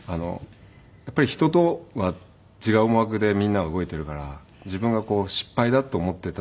やっぱり人とは違う思惑でみんなが動いているから自分が失敗だと思っていた